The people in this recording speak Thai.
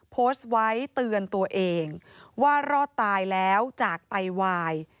โพสต์ไว้เตือนตัวเองว่ารอดตายแล้วจากไตวาย